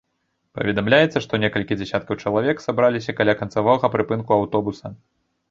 Паведамляецца, што некалькі дзясяткаў чалавек сабраліся каля канцавога прыпынку аўтобуса.